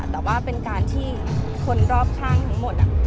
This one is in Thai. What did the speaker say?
แต่ว่าเป็นการที่คนรอบข้างทั้งหมด